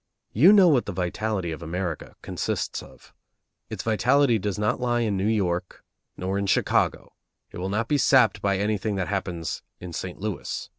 You know what the vitality of America consists of. Its vitality does not lie in New York, nor in Chicago; it will not be sapped by anything that happens in St. Louis.